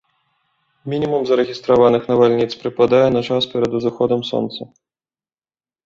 Мінімум зарэгістраваных навальніц прыпадае на час перад узыходам сонца.